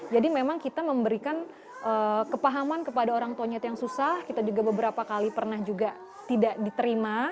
jadi memang kita memberikan kepahaman kepada orang tuanya itu yang susah kita juga beberapa kali pernah juga tidak diterima